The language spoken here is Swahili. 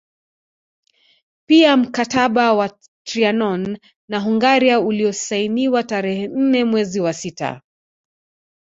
Pia mkataba wa Trianon na Hungaria uliosainiwa tarehe nne mwezi wa sita